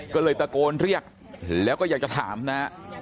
ก็เลยตะโกนเรียกแล้วก็อยากจะถามนะฮะ